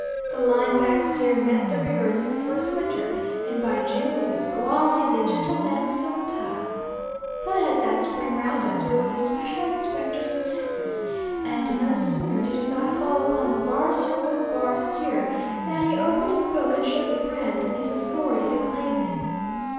The line back steer met the rigors of the first winter and by June was as glossy as a gentleman's silk tile. But at that spring round up there was a special inspector from Texas, and no sooner did his eye fall upon the bar circle bar steer than he opened his book and showed the brand and his authority to claim him.